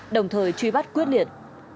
đồng thời truy bắt quyết liệt